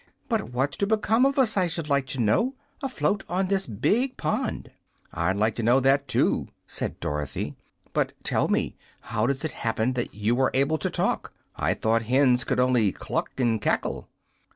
But what's to become of us, I should like to know, afloat on this big pond?" "I'd like to know that, too," said Dorothy. "But, tell me; how does it happen that you are able to talk? I thought hens could only cluck and cackle."